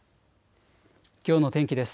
きょうの天気です。